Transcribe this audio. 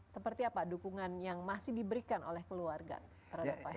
seperti apa dukungan yang masih diberikan oleh keluarga terhadap pasien